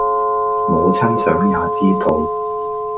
母親想也知道；